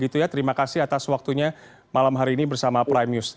terima kasih atas waktunya malam hari ini bersama prime news